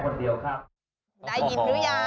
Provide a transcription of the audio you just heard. เนื่องจากผมเป็นคนปรุงแค่คนเดียวครับ